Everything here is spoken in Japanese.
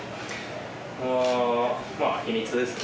まあ、秘密ですね。